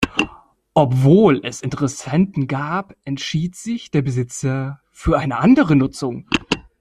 Obwohl es Interessenten gab, entschied sich der Besitzer für eine andere Nutzung.